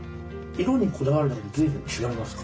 色にこだわるだけで随分違いますか？